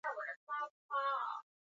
kutoka viwanja vya uhuru hapa nchini tanzania